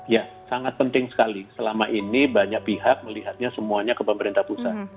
ya sangat penting sekali selama ini banyak pihak melihatnya semuanya ke pemerintah pusat